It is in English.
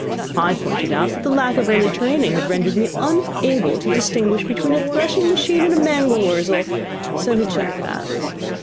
I pointed out that lack of early training had rendered me unable to distinguish between a threshing machine and a mangel wurzel, so he chucked that.